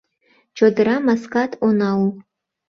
Чодыра маскат она ул